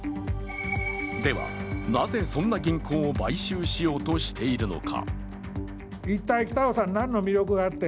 では、なぜそんな銀行を買収しようとしているのか。